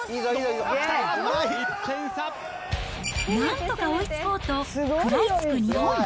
なんとか追いつこうと、食らいつく日本。